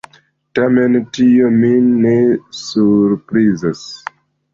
Tamen tio min ne surprizas.